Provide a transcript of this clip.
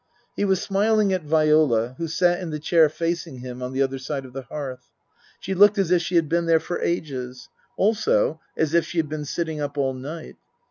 He was smiling at Viola, who sat in the chair facing him on the other side of the hearth. She looked as if she had been there for ages. Also, as if she had been sitting up all night.